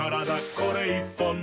これ１本で」